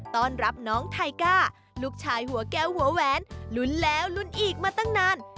ต้อนรับน้องไทก้าลูกชายหัวแก้วหัวแหวนลุ้นแล้วลุ้นอีกมาตั้งนาน